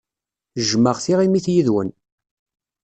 Jjmeɣ tiɣimit yid-wen.